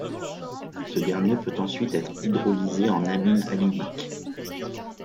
Ce dernier peut ensuite être hydrolysé en amine allylique.